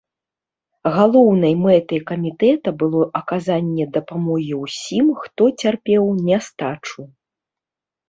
Галоўнай мэтай камітэта было аказанне дапамогі ўсім, хто цярпеў нястачу.